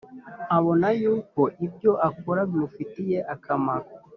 abona yuko ibyo akora bimufitiye akamaro